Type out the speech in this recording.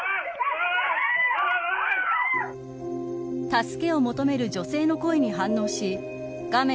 助けを求める女性の声に反応し画面